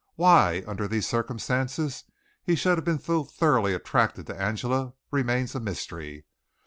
Why, under these circumstances, he should have been so thoroughly attracted to Angela remains a mystery.